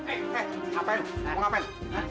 eh eh ngapain mau ngapain